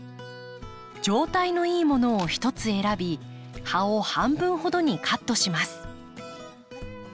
状態のいいものを１つ選び葉を半分ほどにカットします。